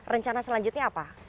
rencana selanjutnya apa